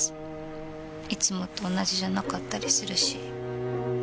いつもと同じじゃなかったりするし。